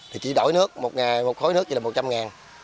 một khối nước như vậy là một trăm linh đồng